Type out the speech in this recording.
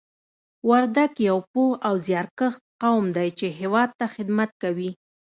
وردګ یو پوه او زیارکښ قوم دی چې هېواد ته خدمت کوي